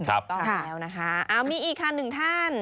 ก็ออกแล้วนะคะมีอีกค่ะ๑ท่าน